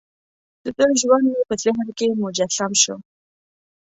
دده ژوند مې په ذهن کې مجسم شو.